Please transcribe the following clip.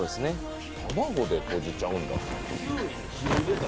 卵でとじちゃうんだ。